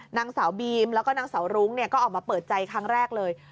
นางสาวบีมแล้วก็นางสาวรุ้งก็ออกมาเปิดใจครั้งแรกเลย